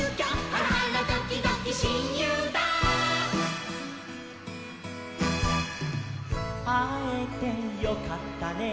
「ハラハラドキドキしんゆうだ」「あえてよかったね」